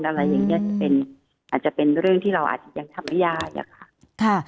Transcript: อาจจะเป็นเรื่องที่เราอาจจะยังทำยากค่ะ